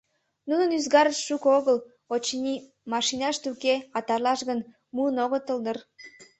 Нунын ӱзгарышт шуко огыл, очыни, машинашт уке, а тарлаш гын, муын огытыл дыр.